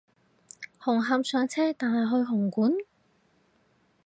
紅磡上車但係去紅館？